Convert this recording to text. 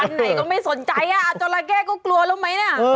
ไหนก็ไม่สนใจอ่ะจราเข้ก็กลัวแล้วไหมน่ะ